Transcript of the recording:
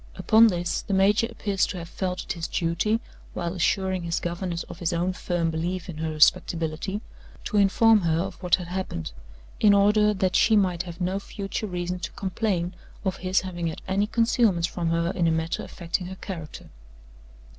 Upon this, the major appears to have felt it his duty (while assuring his governess of his own firm belief in her respectability) to inform her of what had happened, in order that she might have no future reason to complain of his having had any concealments from her in a matter affecting her character.